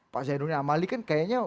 pak zainuddin amali kan kayaknya